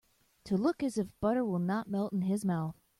To look as if butter will not melt in his mouth.